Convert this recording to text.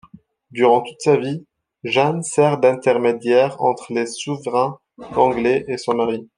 Durant toute sa vie, Jeanne sert d'intermédiaire entre les souverains anglais et son mari.